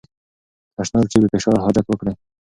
تشناب کې بې فشار حاجت وکړئ.